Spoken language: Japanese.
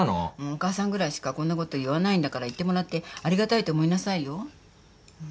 お母さんぐらいしかこんなこと言わないんだから言ってもらってありがたいと思いなさいよ。